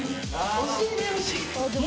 惜しいね！